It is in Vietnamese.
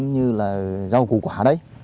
như là rau củ quà đấy